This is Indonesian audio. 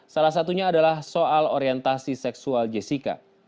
salah satunya adalah soal orientasi seksual jessica